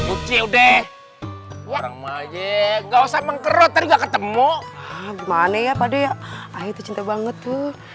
uji udah orang maje nggak usah mengkerot nggak ketemu mana ya padanya itu cinta banget tuh